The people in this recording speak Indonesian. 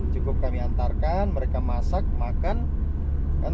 cukup kami antarkan mereka masak makan